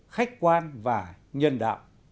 khách quan và nhân đạo